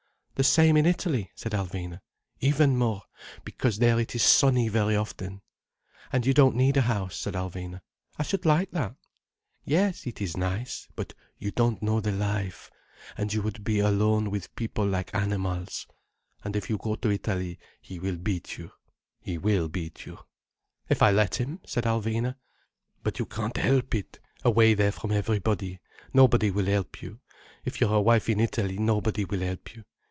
"The same in Italy?" said Alvina. "Even more—because there it is sunny very often—" "And you don't need a house," said Alvina. "I should like that." "Yes, it is nice—but you don't know the life. And you would be alone with people like animals. And if you go to Italy he will beat you—he will beat you—" "If I let him," said Alvina. "But you can't help it, away there from everybody. Nobody will help you. If you are a wife in Italy, nobody will help you.